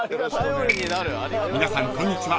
［皆さんこんにちは